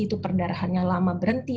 itu perdarahannya lama berhenti